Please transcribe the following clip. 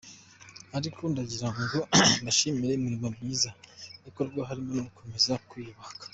Ariko ndagira ngo mbashimire imirimo myiza ikorwa, harimo no gukomeza kwiyubaka.